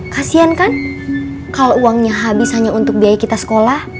kasian kan kalau uangnya habis hanya untuk biaya kita sekolah